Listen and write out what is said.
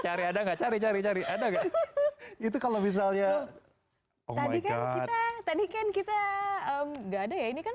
cari ada nggak cari cari ada nggak itu kalau misalnya tadi kan kita enggak ada ya ini kan